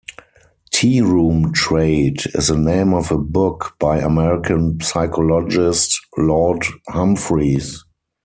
"Tearoom Trade" is the name of a book by American psychologist Laud Humphreys.